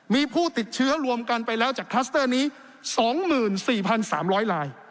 มีผู้ติดเชื้อรวมกันไปแล้วจากคลัสเตอร์นี้๒๔๓๐๐ลาย